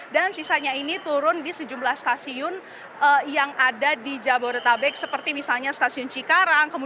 dan sisanya ini turun di sejumlah stasiun yang ada di jabodetabek seperti misalnya stasiun cikarang